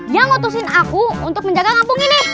yang mutusin aku untuk menjaga kampung ini